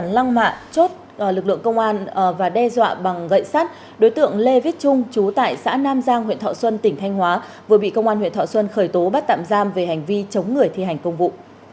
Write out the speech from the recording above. lăng mạ chốt lực lượng công an và đe dọa bằng gậy sắt đối tượng lê viết trung chú tại xã nam giang huyện thọ xuân tỉnh thanh hóa vừa bị công an huyện thọ xuân khởi tố bắt tạm giam về hành vi chống người thi hành công vụ